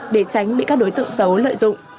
để tránh bị các đối tượng xấu lợi dụng